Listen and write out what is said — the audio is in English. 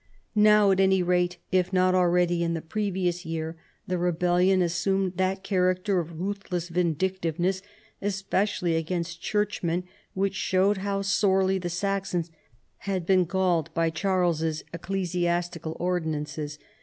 ISTow, at any rate, if not already in the previous year, the rebellion assumed that character of ruthless vindictiveness, especially against churchmen, which showed how sorely the Saxons had been galled by Charles's ecclesiastical ordinances.